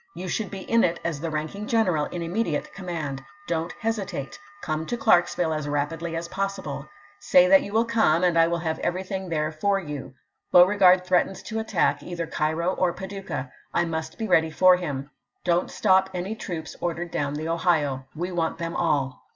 You should be in it as the ranking general in immediate command. Don't hesitate. Come to ClarksviUe as rapidly as possible. Say that you will come, and I wiU have everything there for you. Beauregard threatens to attack either Cairo or Paducah ; I must be ready for him. Don't stop any troops ordered down the Ohio. We want them all.